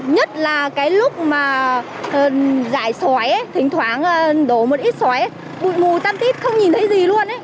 nhất là cái lúc mà giải xoáy thỉnh thoảng đổ một ít xoáy bụi mù tam tít không nhìn thấy gì luôn